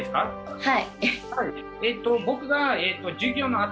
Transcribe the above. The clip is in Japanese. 「はい」。